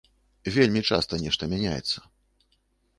Вельмі часта нешта мяняецца.